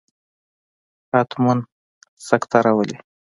حتما سکته راولي.